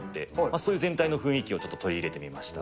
そういう全体の雰囲気を取り入れてみました。